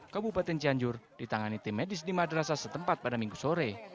kabupaten cianjur ditangani tim medis di madrasah setempat pada minggu sore